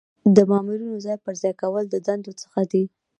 د مامورینو ځای پر ځای کول د دندو څخه دي.